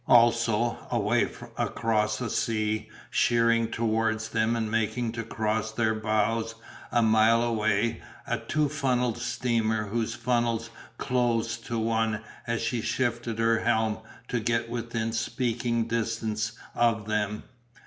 Also, away across the sea, sheering towards them and making to cross their bows a mile away a two funnelled steamer whose funnels closed to one as she shifted her helm to get within speaking distance of them.